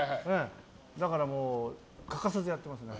だから、欠かさずやってますね。